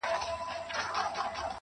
همدا اوس وايم درته.